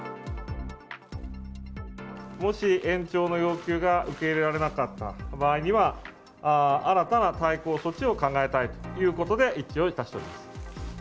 もし、延長の要求が受け入れられなかった場合には、新たな対抗措置を考えたいということで、一致をいたしております。